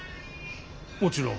もちろん。